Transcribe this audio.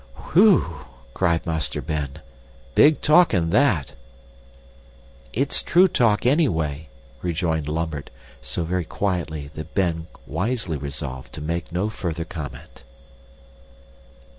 "Whew!" cried Master Ben. "Big talking that!" "It's true talk anyway," rejoined Lambert, so very quietly that Ben wisely resolved to make no further comment.